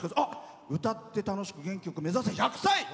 「歌って楽しく元気よく目指せ１００歳！」。